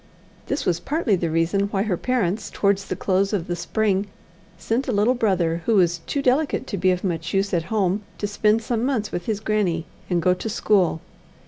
This was partly the reason why her parents, towards the close of the spring, sent a little brother, who was too delicate to be of much use at home, to spend some months with his grannie, and go to school.